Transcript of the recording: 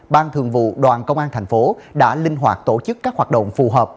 ban thường vụ đoàn công an tp hcm đã linh hoạt tổ chức các hoạt động phù hợp